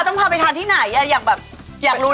ส้มตำอะไรอย่างนี้เหรอจิ้มจุ่ม